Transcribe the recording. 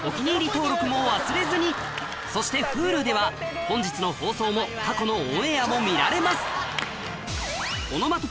登録も忘れずにそしてＨｕｌｕでは本日の放送も過去のオンエアも見られます